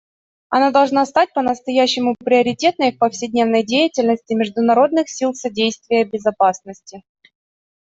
Она должна стать по-настоящему приоритетной в повседневной деятельности международных сил содействия безопасности.